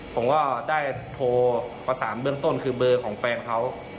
ผมก็ได้โทรประสานเบื้องต้นคือเบอร์ของแฟนเขา